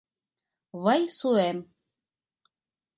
Вайсуэм...